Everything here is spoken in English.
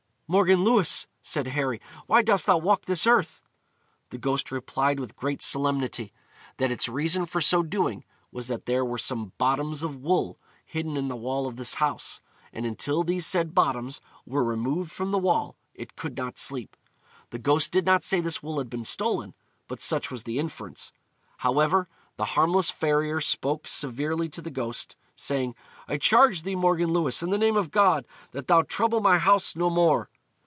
'Morgan Lewis,' said Harry, 'why dost thou walk this earth?' The ghost replied with great solemnity, that its reason for so doing was that there were some 'bottoms of wool' hidden in the wall of this house, and until these said bottoms were removed from the wall it could not sleep. The ghost did not say this wool had been stolen, but such was the inference. However, the harmless farrier spoke severely to the ghost, saying, 'I charge thee, Morgan Lewis, in the name of God, that thou trouble my house no more.'